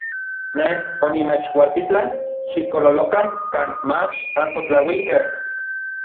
Nej onimechualtitlan xikololokan kan mach ansotlauikej.